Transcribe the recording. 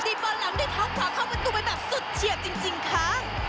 บอลหลังด้วยเท้าขวาเข้าประตูไปแบบสุดเฉียบจริงค่ะ